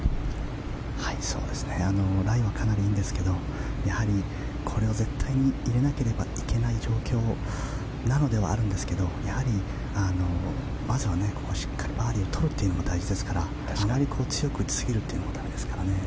ライはかなりいいんですがやはりこれを絶対に入れなければいけない状況なのではあるんですがまずはここ、しっかりバーディーを取るというのも大事ですからあまり強く打ちすぎるというのも駄目ですからね。